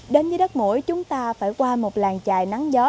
đến với đất mũi chúng ta phải qua một làng trài nắng gió